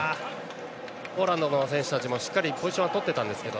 ポーランドの選手たちもしっかりポジションは取っていたんですけど。